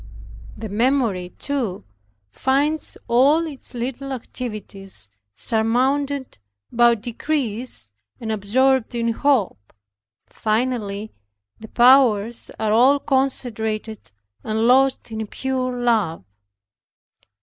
The memory, too, finds all its little activities surmounted by degrees, and absorbed in hope. Finally the powers are all concentrated and lost in pure love.